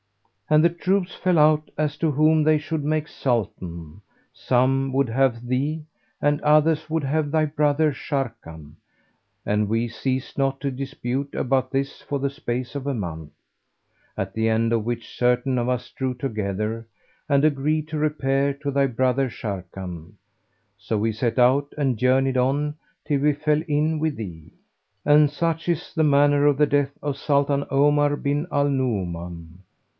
And the troops fell out as to whom they should make Sultan; some would have thee, and others would have thy brother Sharrkan; and we ceased not to dispute about this for the space of a month, at the end of which certain of us drew together and agreed to repair to thy brother Sharrkan: so we set out and journeyed on till we fell in with thee. And such is the manner of the death of Sultan Omar bin al Nu'uman!"